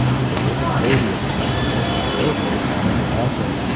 It was an odious spectacle odious and awful.